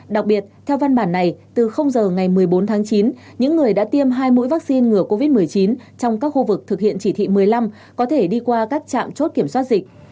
đặc biệt theo văn bản này từ giờ ngày một mươi bốn tháng chín những người đã tiêm hai mũi vaccine ngừa covid một mươi chín trong các khu vực thực hiện chỉ thị một mươi năm có thể đi qua các trạm chốt kiểm soát dịch